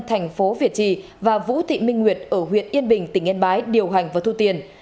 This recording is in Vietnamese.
thành phố việt trì và vũ thị minh nguyệt ở huyện yên bình tỉnh yên bái điều hành và thu tiền